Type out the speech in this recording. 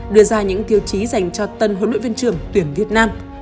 đưa ra những tiêu chí dành cho tân huấn luyện viên trưởng tuyển việt nam